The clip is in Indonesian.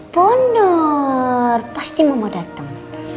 bener pasti mama dateng